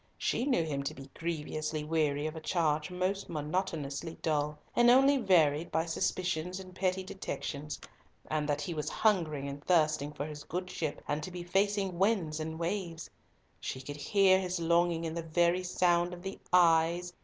She knew him to be grievously weary of a charge most monotonously dull, and only varied by suspicions and petty detections; and that he was hungering and thirsting for his good ship and to be facing winds and waves. She could hear his longing in the very sound of the "Ays?"